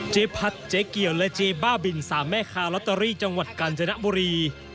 เจ๊พัดเจ๊เกี่ยวและเจ๊บ้าบิน๓แม่ค้าลอตเตอรี่จังหวัดกาญจนบุรี